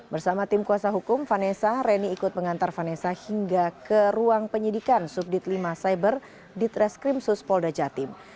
bersama tim kuasa hukum vanessa reni ikut mengantar vanessa hingga ke ruang penyidikan subdit lima cyber di treskrim suspolda jatim